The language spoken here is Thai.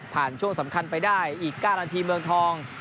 ช่วงสำคัญไปได้อีก๙นาทีเมืองทอง